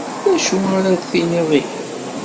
D acu ara d-tiniḍ ihi?